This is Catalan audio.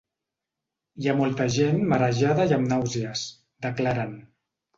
Hi ha molta gent marejada i amb nàusees, declaren.